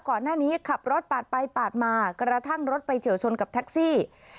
ก่อนหน้านี้ขับรถปาดไปปาดมากระทั่งรถไปเฉียวชนกับแท็กซี่